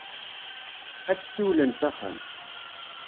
Ad as-siwlen s axxam.